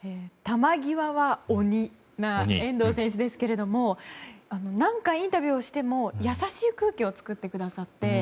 球際は鬼な遠藤選手ですが何かインタビューをしても優しい空気を作ってくださって。